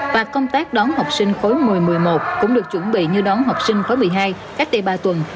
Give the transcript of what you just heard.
và công tác đón học sinh khối một mươi một mươi một cũng được chuẩn bị như đón học sinh khối một mươi hai các tỷ ba tuần